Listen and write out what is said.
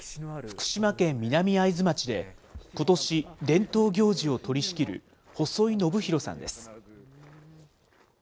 福島県南会津町で、ことし、伝統行事を取り仕切る細井信浩さんです。